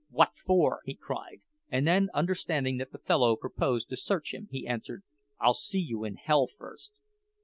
"What for?" he cried; and then understanding that the fellow proposed to search him, he answered, "I'll see you in hell first."